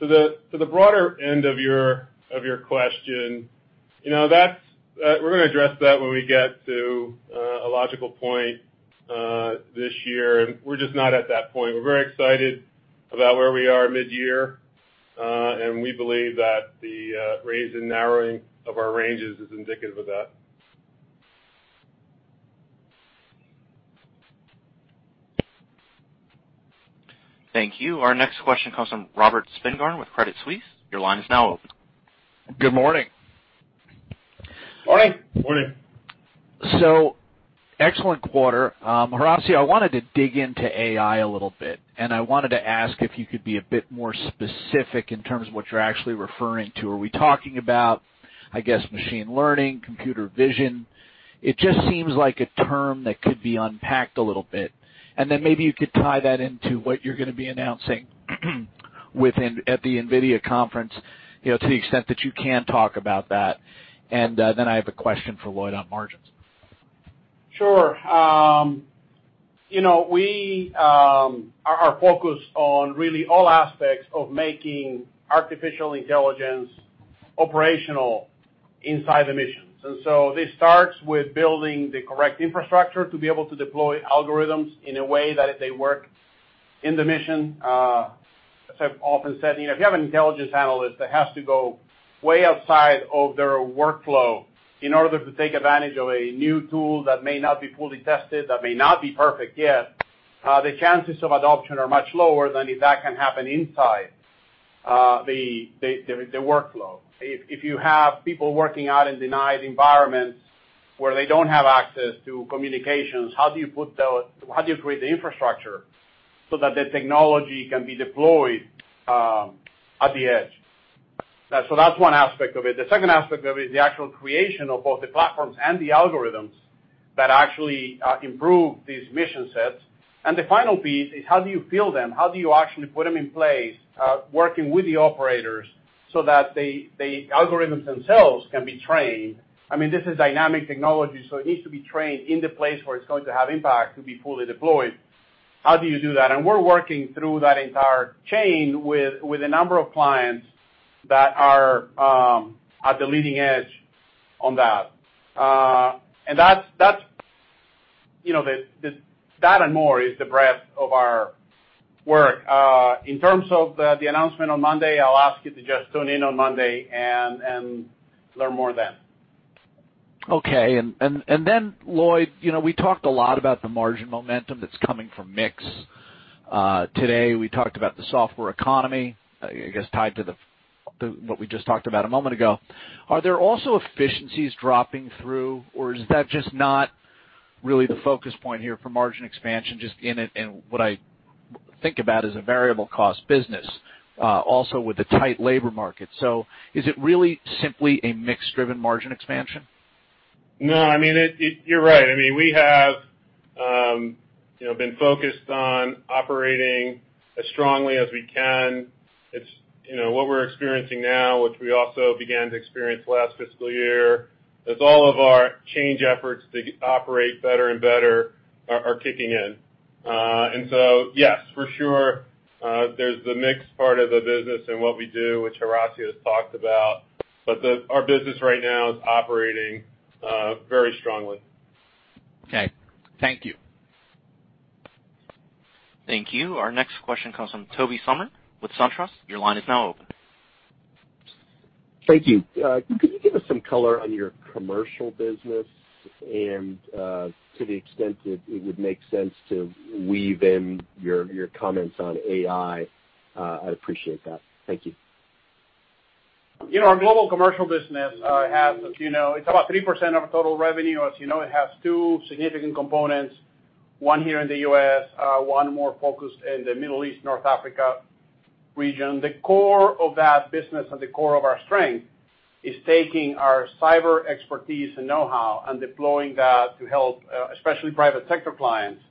To the broader end of your question, we're going to address that when we get to a logical point this year, and we're just not at that point. We're very excited about where we are mid-year. We believe that the raise and narrowing of our ranges is indicative of that. Thank you. Our next question comes from Robert Spingarn with Credit Suisse. Your line is now open. Good morning. Morning. Morning. So excellent quarter. Horacio, I wanted to dig into AI a little bit. And I wanted to ask if you could be a bit more specific in terms of what you're actually referring to. Are we talking about, I guess, machine learning, computer vision? It just seems like a term that could be unpacked a little bit. And then maybe you could tie that into what you're going to be announcing at the NVIDIA conference to the extent that you can talk about that. And then I have a question for Lloyd on margins. Sure. We are focused on really all aspects of making artificial intelligence operational inside the missions. And so, this starts with building the correct infrastructure to be able to deploy algorithms in a way that they work in the mission. As I've often said, if you have an intelligence analyst that has to go way outside of their workflow in order to take advantage of a new tool that may not be fully tested, that may not be perfect yet, the chances of adoption are much lower than if that can happen inside the workflow. If you have people working out in denied environments where they don't have access to communications, how do you create the infrastructure so that the technology can be deployed at the edge? So that's one aspect of it. The second aspect of it is the actual creation of both the platforms and the algorithms that actually improve these mission sets. And the final piece is, how do you field them? How do you actually put them in place, working with the operators so that the algorithms themselves can be trained? I mean, this is dynamic technology, so it needs to be trained in the place where it's going to have impact to be fully deployed. How do you do that? And we're working through that entire chain with a number of clients that are at the leading edge on that. And that and more is the breadth of our work. In terms of the announcement on Monday, I'll ask you to just tune in on Monday and learn more then. Okay. And then, Lloyd, we talked a lot about the margin momentum that's coming from mix today. We talked about the software economy, I guess, tied to what we just talked about a moment ago. Are there also efficiencies dropping through, or is that just not really the focus point here for margin expansion, just in what I think about as a variable-cost business, also with the tight labor market? So is it really simply a mix-driven margin expansion? No, I mean, you're right. I mean, we have been focused on operating as strongly as we can. It's what we're experiencing now, which we also began to experience last fiscal year, as all of our change efforts to operate better and better are kicking in. And so, yes, for sure, there's the mix part of the business and what we do, which Horacio has talked about. But our business right now is operating very strongly. Okay. Thank you. Thank you. Our next question comes from Tobey Sommer with SunTrust. Your line is now open. Thank you. Could you give us some color on your commercial business and to the extent it would make sense to weave in your comments on AI? I appreciate that. Thank you. Our Global Commercial business has, as you know, it's about 3% of our total revenue. As you know, it has two significant components, one here in the US, one more focused in the Middle East, North Africa region. The core of that business and the core of our strength is taking our cyber expertise and know-how and deploying that to help, especially private sector clients,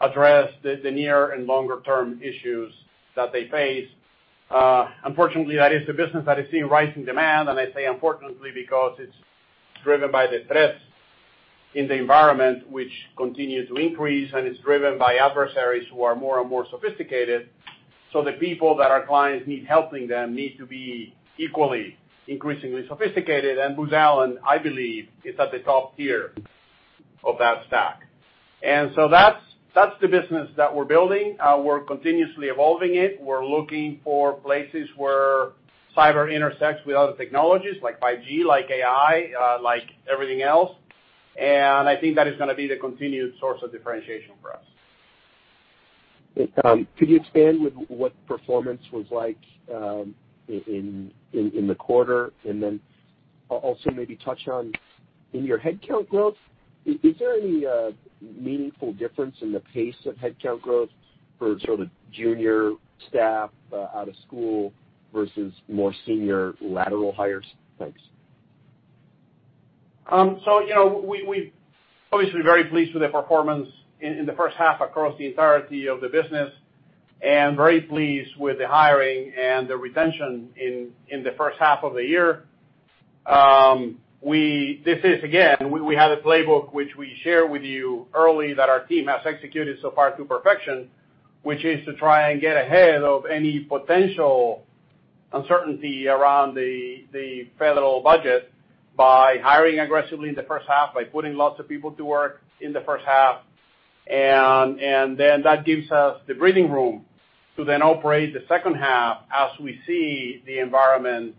address the near and longer-term issues that they face. Unfortunately, that is a business that is seeing rising demand, and I say unfortunately because it's driven by the threats in the environment, which continue to increase, and it's driven by adversaries who are more and more sophisticated, so the people that our clients need helping them need to be equally increasingly sophisticated, and Booz Allen, I believe, is at the top tier of that stack, and so that's the business that we're building. We're continuously evolving it. We're looking for places where cyber intersects with other technologies like 5G, like AI, like everything else. And I think that is going to be the continued source of differentiation for us. Could you expand with what performance was like in the quarter and then also maybe touch on in your headcount growth? Is there any meaningful difference in the pace of headcount growth for sort of junior staff out of school versus more senior lateral hires? Thanks. So, we've obviously been very pleased with the performance in the first half across the entirety of the business and very pleased with the hiring and the retention in the first half of the year. This is, again, we have a playbook, which we shared with you early, that our team has executed so far to perfection, which is to try and get ahead of any potential uncertainty around the federal budget by hiring aggressively in the first half, by putting lots of people to work in the first half. And then that gives us the breathing room to then operate the second half as we see the environment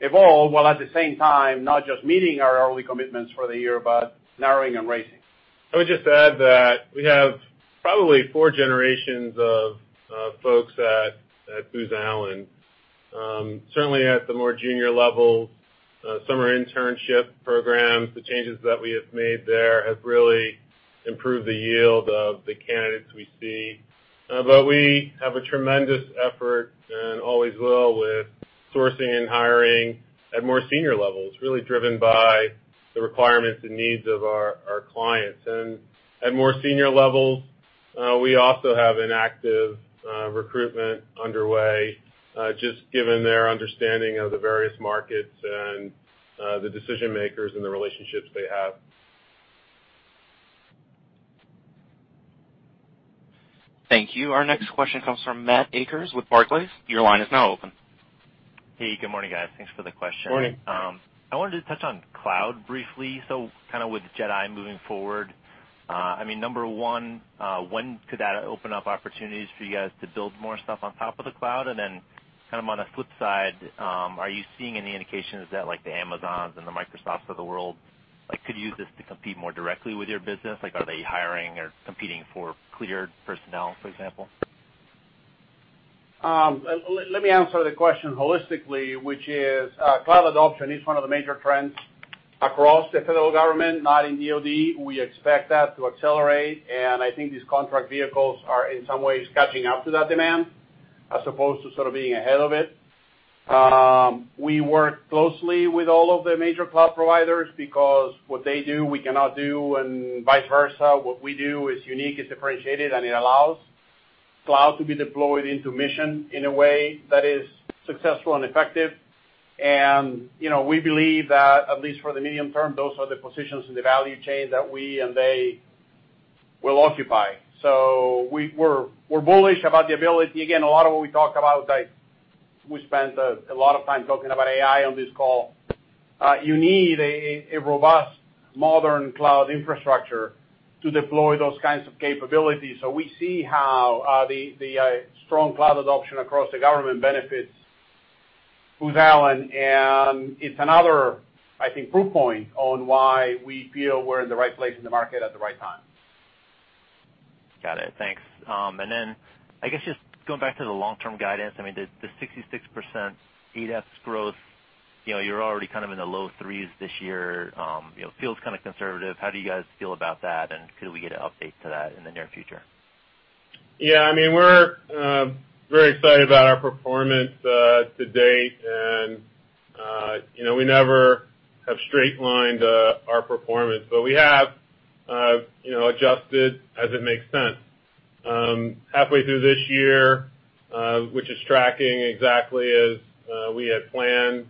evolve while at the same time not just meeting our early commitments for the year but narrowing and raising. I would just add that we have probably four generations of folks at Booz Allen. Certainly, at the more junior level, summer internship programs, the changes that we have made there have really improved the yield of the candidates we see, but we have a tremendous effort and always will with sourcing and hiring at more senior levels, really driven by the requirements and needs of our clients, and at more senior levels, we also have an active recruitment underway, just given their understanding of the various markets and the decision-makers and the relationships they have. Thank you. Our next question comes from Matt Akers with Barclays. Your line is now open. Hey, good morning, guys. Thanks for the question. Morning. I wanted to touch on cloud briefly. So, kind of with JEDI moving forward, I mean, number one, when could that open up opportunities for you guys to build more stuff on top of the cloud? And then kind of on the flip side, are you seeing any indications that the Amazons and the Microsofts of the world could use this to compete more directly with your business? Are they hiring or competing for cleared personnel, for example? Let me answer the question holistically, which is cloud adoption is one of the major trends across the federal government, not in DoD. We expect that to accelerate, and I think these contract vehicles are in some ways catching up to that demand as opposed to sort of being ahead of it. We work closely with all of the major cloud providers because what they do, we cannot do, and vice versa. What we do is unique, is differentiated, and it allows cloud to be deployed into mission in a way that is successful and effective, and we believe that, at least for the medium term, those are the positions in the value chain that we and they will occupy, so we're bullish about the ability. Again, a lot of what we talk about, we spent a lot of time talking about AI on this call. You need a robust modern cloud infrastructure to deploy those kinds of capabilities. So we see how the strong cloud adoption across the government benefits Booz Allen. And it's another, I think, proof point on why we feel we're in the right place in the market at the right time. Got it. Thanks. And then I guess just going back to the long-term guidance, I mean, the 66% adept growth, you're already kind of in the low threes this year. It feels kind of conservative. How do you guys feel about that? And could we get an update to that in the near future? Yeah. I mean, we're very excited about our performance to date, and we never have straight-lined our performance, but we have adjusted as it makes sense. Halfway through this year, which is tracking exactly as we had planned,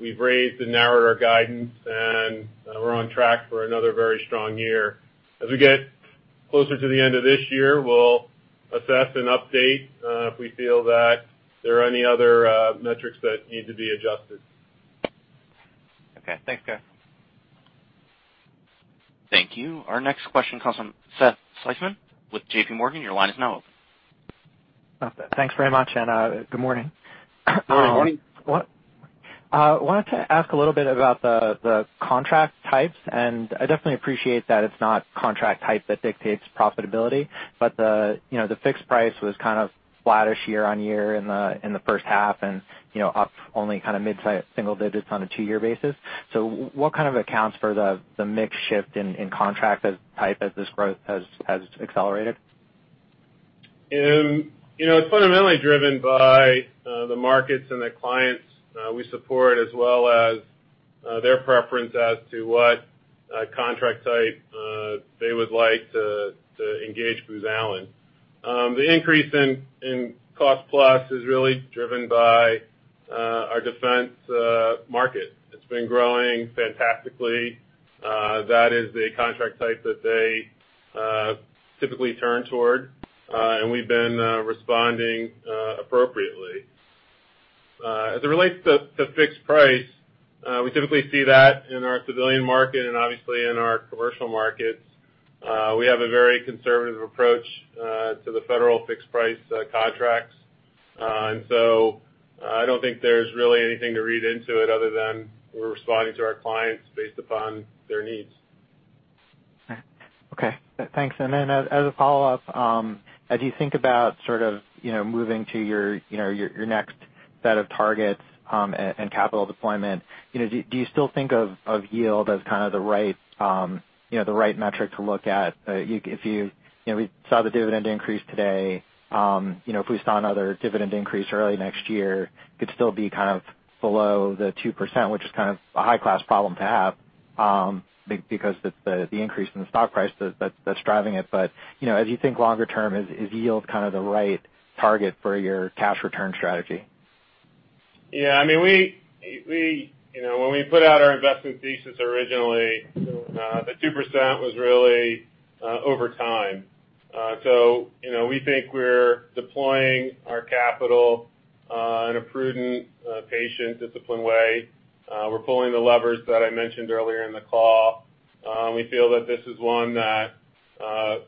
we've raised and narrowed our guidance, and we're on track for another very strong year. As we get closer to the end of this year, we'll assess and update if we feel that there are any other metrics that need to be adjusted. Okay. Thanks, guys. Thank you. Our next question comes from Seth Seifman with JPMorgan. Your line is now open. Thanks very much. And good morning. Morning. Morning. Wanted to ask a little bit about the contract types. And I definitely appreciate that it's not contract type that dictates profitability, but the fixed-price was kind of flattish year on year in the first half and up only kind of mid-sized single digits on a two-year basis. So, what kind of accounts for the mix shift in contract type as this growth has accelerated? It's fundamentally driven by the markets and the clients we support, as well as their preference as to what contract type they would like to engage Booz Allen. The increase in cost-plus is really driven by our defense market. It's been growing fantastically. That is the contract type that they typically turn toward, and we've been responding appropriately. As it relates to fixed-price, we typically see that in our civilian market and obviously in our commercial markets. We have a very conservative approach to the federal fixed-price contracts, and so I don't think there's really anything to read into it other than we're responding to our clients based upon their needs. Okay. Thanks. And then as a follow-up, as you think about sort of moving to your next set of targets and capital deployment, do you still think of yield as kind of the right metric to look at? If we saw the dividend increase today, if we saw another dividend increase early next year, it could still be kind of below the 2%, which is kind of a high-class problem to have because of the increase in the stock price that's driving it. But as you think longer term, is yield kind of the right target for your cash return strategy? Yeah. I mean, when we put out our investment thesis originally, the 2% was really over time. So we think we're deploying our capital in a prudent, patient, disciplined way. We're pulling the levers that I mentioned earlier in the call. We feel that this is one that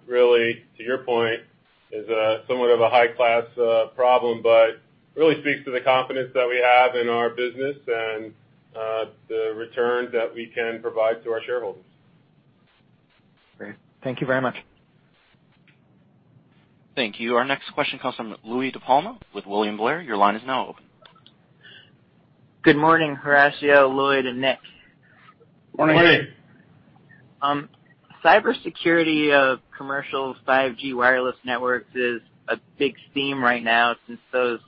really, to your point, is somewhat of a high-class problem, but really speaks to the confidence that we have in our business and the returns that we can provide to our shareholders. Great. Thank you very much. Thank you. Our next question comes from Louie DiPalma with William Blair. Your line is now open. Good morning, Horacio, Lloyd, and Nick. Morning. Morning. Cybersecurity of commercial 5G wireless networks is a big theme right now since those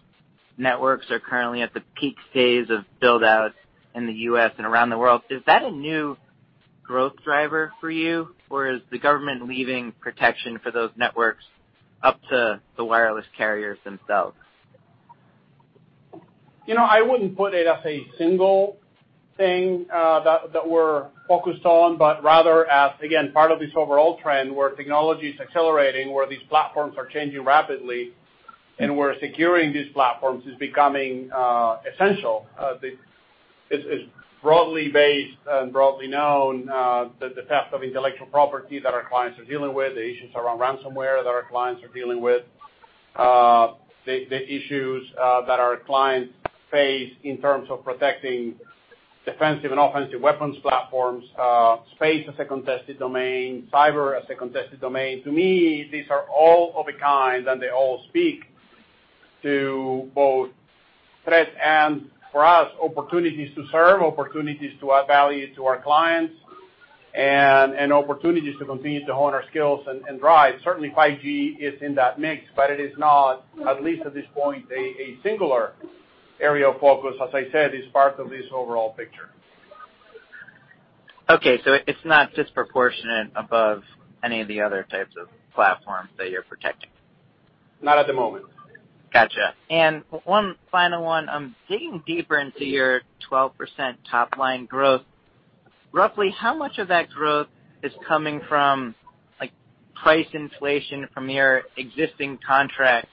networks are currently at the peak phase of build-out in the US and around the world. Is that a new growth driver for you, or is the government leaving protection for those networks up to the wireless carriers themselves? I wouldn't put it as a single thing that we're focused on, but rather as, again, part of this overall trend where technology is accelerating, where these platforms are changing rapidly, and where securing these platforms is becoming essential. It's broadly based and broadly known that the theft of intellectual property that our clients are dealing with, the issues around ransomware that our clients are dealing with, the issues that our clients face in terms of protecting defensive and offensive weapons platforms, space as a contested domain, cyber as a contested domain. To me, these are all of a kind, and they all speak to both threat and, for us, opportunities to serve, opportunities to add value to our clients, and opportunities to continue to hone our skills and drive. Certainly, 5G is in that mix, but it is not, at least at this point, a singular area of focus, as I said, is part of this overall picture. Okay, so it's not disproportionate above any of the other types of platforms that you're protecting? Not at the moment. Gotcha. And one final one. Digging deeper into your 12% top-line growth, roughly how much of that growth is coming from price inflation from your existing contracts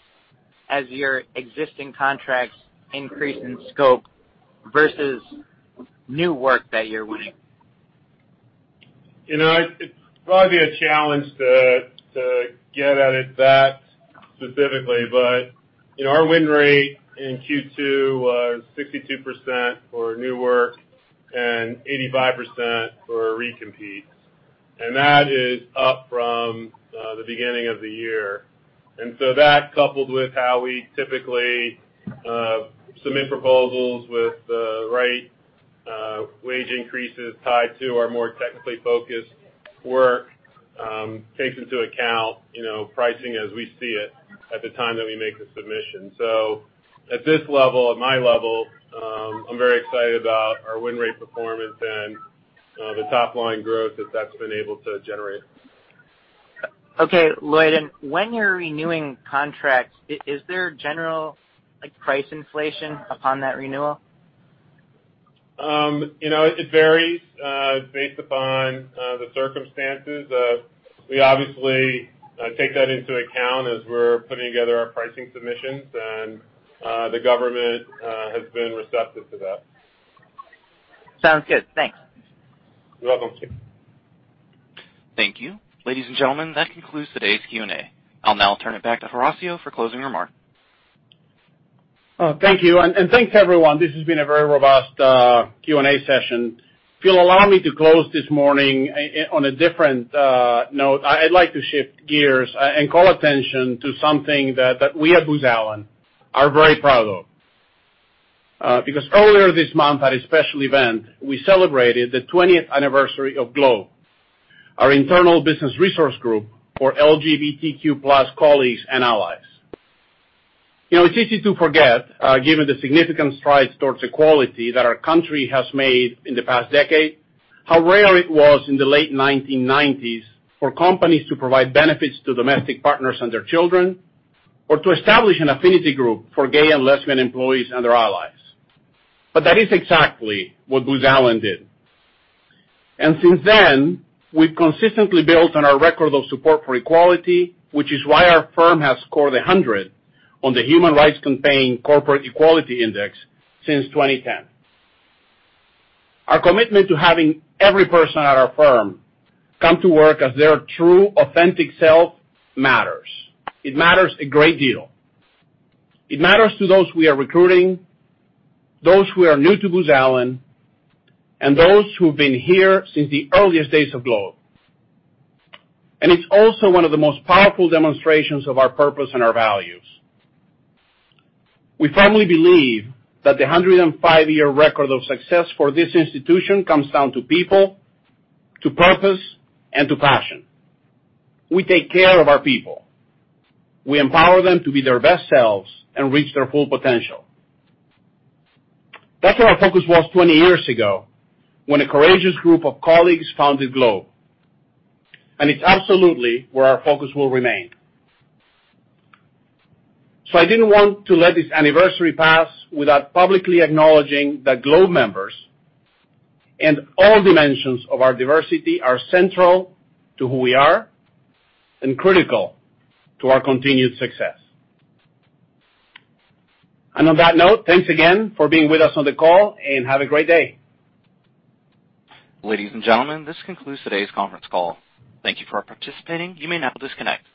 as your existing contracts increase in scope versus new work that you're winning? It's probably a challenge to get at it that specifically, but our win rate in Q2 was 62% for new work and 85% for recompete. And that is up from the beginning of the year. And so that, coupled with how we typically submit proposals with the right wage increases tied to our more technically focused work, takes into account pricing as we see it at the time that we make the submission. So at this level, at my level, I'm very excited about our win rate performance and the top-line growth that that's been able to generate. Okay. Lloyd, and when you're renewing contracts, is there general price inflation upon that renewal? It varies based upon the circumstances. We obviously take that into account as we're putting together our pricing submissions, and the government has been receptive to that. Sounds good. Thanks. You're welcome. Thank you. Ladies and gentlemen, that concludes today's Q&A. I'll now turn it back to Horacio for closing remarks. Thank you and thanks, everyone. This has been a very robust Q&A session. If you'll allow me to close this morning on a different note, I'd like to shift gears and call attention to something that we at Booz Allen are very proud of. Because earlier this month, at a special event, we celebrated the 20th anniversary of GLOBE, our internal business resource group for LGBTQ+ colleagues and allies. It's easy to forget, given the significant strides towards equality that our country has made in the past decade, how rare it was in the late 1990s for companies to provide benefits to domestic partners and their children, or to establish an affinity group for gay and lesbian employees and their allies, but that is exactly what Booz Allen did. And since then, we've consistently built on our record of support for equality, which is why our firm has scored 100 on the Human Rights Campaign Corporate Equality Index since 2010. Our commitment to having every person at our firm come to work as their true, authentic self matters. It matters a great deal. It matters to those we are recruiting, those who are new to Booz Allen, and those who've been here since the earliest days of GLOBE. And it's also one of the most powerful demonstrations of our purpose and our values. We firmly believe that the 105-year record of success for this institution comes down to people, to purpose, and to passion. We take care of our people. We empower them to be their best selves and reach their full potential. That's what our focus was 20 years ago when a courageous group of colleagues founded GLOBE. And it's absolutely where our focus will remain. So, I didn't want to let this anniversary pass without publicly acknowledging that GLOBE members and all dimensions of our diversity are central to who we are and critical to our continued success. And on that note, thanks again for being with us on the call, and have a great day. Ladies and gentlemen, this concludes today's conference call. Thank you for participating. You may now disconnect.